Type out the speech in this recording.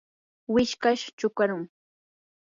wishkash chukarum.